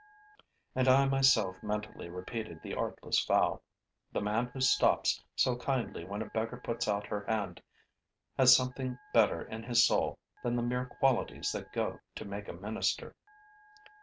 And I myself mentally repeated the artless vow. The man who stops so kindly when a beggar puts out her hand has something better in his soul than the mere qualities that go to make a minister.